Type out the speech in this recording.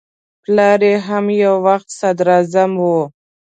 پلار یې هم یو وخت صدراعظم و.